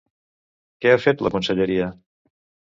Què ha fet la conselleria?